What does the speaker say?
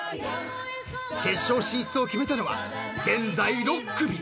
［決勝進出を決めたのは現在６組］